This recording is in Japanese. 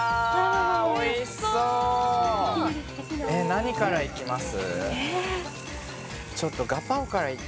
何からいきます？